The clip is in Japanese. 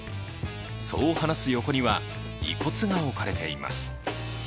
そう話す横には、遺骨が置かれています。